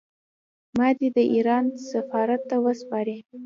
ما دې د ایران سفارت ته وسپاري.